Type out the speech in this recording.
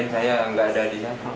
enggak enggak tahu